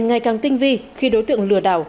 ngày càng tinh vi khi đối tượng lừa đảo